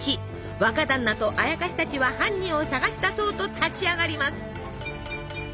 若だんなとあやかしたちは犯人を捜し出そうと立ち上がります。